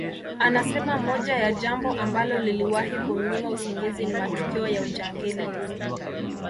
Anasema moja ya jambo ambalo liliwahi kumnyima usingizi ni matukio ya ujangili